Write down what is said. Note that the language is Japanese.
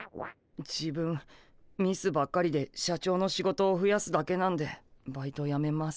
自分ミスばっかりで社長の仕事をふやすだけなんでバイトやめます。